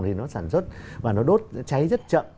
thì nó sản xuất và nó đốt cháy rất chậm